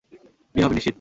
বিয়ে হবে নিশ্চিত।